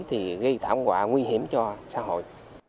thì gây thảm họa nguy hiểm cho xã hội